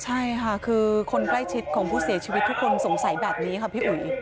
ใช่ค่ะคือคนใกล้ชิดของผู้เสียชีวิตทุกคนสงสัยแบบนี้ค่ะพี่อุ๋ย